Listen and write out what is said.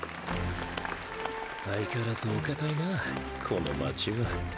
相変わらずおカタイなこの街は。